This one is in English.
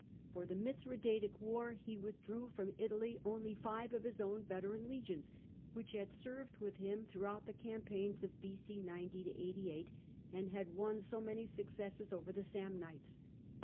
For the Mithradatic war he withdrew from Italy only five of his own veteran legions, which had served with him throughout the cam paigns of B.o. 90 88, and had won so many successes over the Samnites.